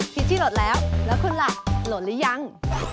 ชี่หลดแล้วแล้วคุณล่ะโหลดหรือยัง